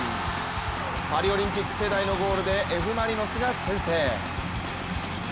パリオリンピック世代のゴールでＦ・マリノスが先制。